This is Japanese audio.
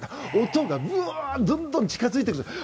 音がブーンとどんどん近づいてくる。